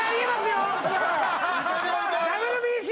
今ＷＢＣ！